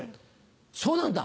そうなんだ。